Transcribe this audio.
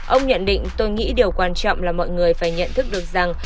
ông nhận định tôi nghĩ điều quan trọng là mọi người phải nhận thức được rằng